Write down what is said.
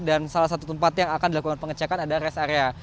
dan salah satu tempat yang akan dilakukan pengecekan adalah res area